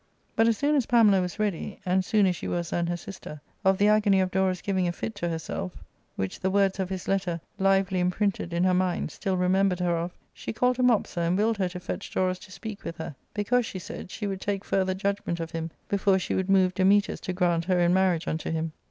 But, as soon as Pamela was ready — and sooner she was than her sister — of the agony of Dorus giving a fit to herself, which the words of his letter, lively imprinted in her mind, still remembered her of, she called to Mopsa, and willed her to fetch Dorus to speak with her ; because, she said, she would take further judgment of him before she would move Dametas to grant her in marriage unto him.